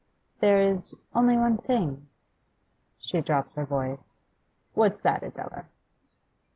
There is only one thing.' She dropped her voice. 'What's that, Adela?